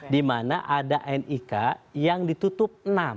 di mana ada nik yang ditutup enam